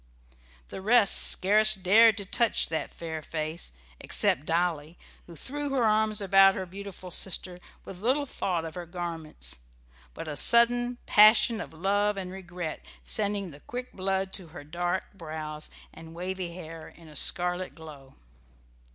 The rest scarce dared to touch that fair face, except Dolly, who threw her arms about her beautiful sister, with little thought of her garments, but a sudden passion of love and regret sending the quick blood to her dark brows and wavy hair in a scarlet glow.